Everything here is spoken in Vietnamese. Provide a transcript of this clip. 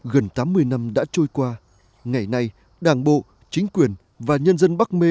gần tám mươi năm đã trôi qua ngày nay đảng bộ chính quyền và nhân dân bắc mê